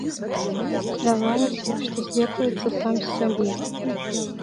Здавалася, што здзекуецца сам з сябе.